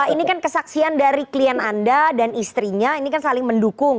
ini kan kesaksian dari klien anda dan istrinya ini kan saling mendukung